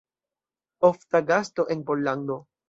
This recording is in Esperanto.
Ofta gasto en Pollando.